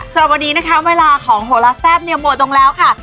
สำหรับวันนี้นะคะเวลาของโหลาแซ่บเนี่ยหมดลงแล้วค่ะ